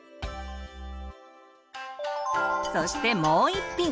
そしてもう１品！